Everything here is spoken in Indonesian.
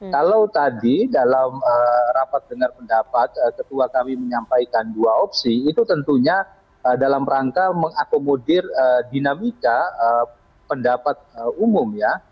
kalau tadi dalam rapat dengar pendapat ketua kami menyampaikan dua opsi itu tentunya dalam rangka mengakomodir dinamika pendapat umum ya